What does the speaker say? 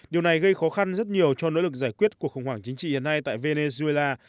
điều này gây khó khăn rất nhiều cho nỗ lực giải quyết cuộc khủng hoảng chính trị hiện nay tại venezuela